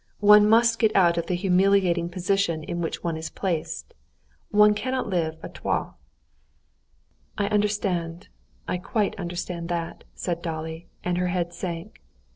"One must get out of the humiliating position in which one is placed; one can't live à trois." "I understand, I quite understand that," said Dolly, and her head sank.